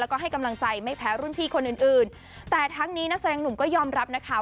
แล้วก็ให้กำลังใจไม่แพ้รุ่นพี่คนอื่นอื่นแต่ทั้งนี้นักแสดงหนุ่มก็ยอมรับนะคะ